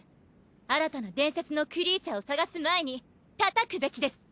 新たな伝説のクリーチャーを探す前にたたくべきです。